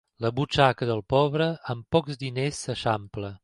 La butxaca del pobre amb pocs diners s'eixampla.